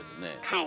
はい。